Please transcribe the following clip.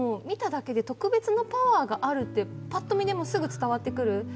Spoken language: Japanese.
見ただけで特別なパワーがあると、パッと見でもすぐ伝わってくる。